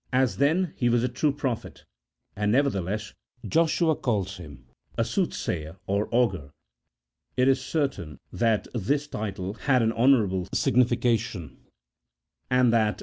As then he was a true prophet, and never theless Joshua calls him a soothsayer or augur, it is certain that this title had an honourable signification, and that 52 A THEOLOGICO POLITICAL TREATISE.